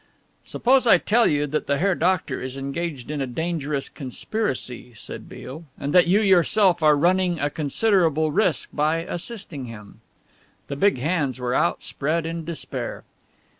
"Suppose I tell you that the Herr Doctor is engaged in a dangerous conspiracy," said Beale, "and that you yourself are running a considerable risk by assisting him?" The big hands were outspread in despair.